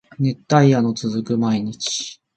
熱帯夜の続く毎日